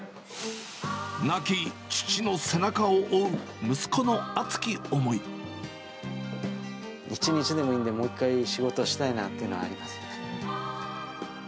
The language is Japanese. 亡き父の背中を追う息子の熱一日でもいいんで、もう一回、仕事したいなっていうのはありますね。